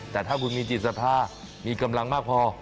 แต่ถ้าคุณมีจิตศรัทธามีกำลังมากพอ